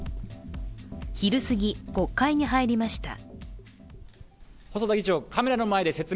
昼すぎ、国会に入りました。